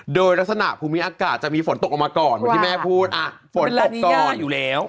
โดยลักษณะภูมิอากาศจะมีฝนตกออกมาก่อนแม่พูดฝนตกก่อน